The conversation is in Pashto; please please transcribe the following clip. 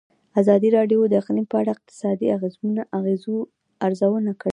ازادي راډیو د اقلیم په اړه د اقتصادي اغېزو ارزونه کړې.